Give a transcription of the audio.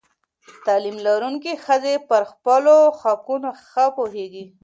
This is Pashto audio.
تعلیم لرونکې ښځې پر خپلو حقونو ښه پوهېږي.